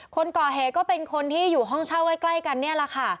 คนก่อเหตุก็เป็นคนที่อยู่ห้องเช่าใกล้กันนี่แหละค่ะ